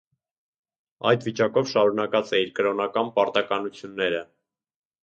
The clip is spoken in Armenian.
Այդ վիճակով շարունակած է իր կրօնական պարտականութիւնները։